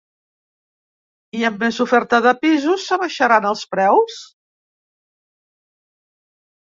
I amb més oferta de pisos, s’abaixaran els preus?